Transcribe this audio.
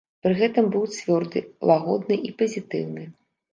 Пры гэтым быў цвёрды, лагодны і пазітыўны.